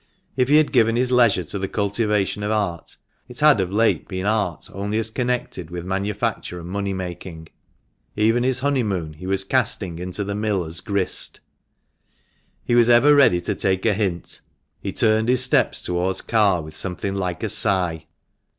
If he had given his leisure to the cultivation of art, it had of late been art only as connected with manufacture and money making. Even his honeymoon he was casting into the X mill as grist. He was ever ready to take a hint. He turned his steps towards Carr with something like a sigh.